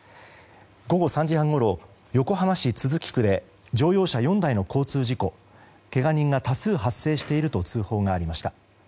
午後３時半ごろ横浜市都筑区で乗用車４台の交通事故けが人が多数発生していると通報がありました。